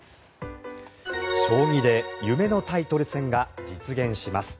将棋で夢のタイトル戦が実現します。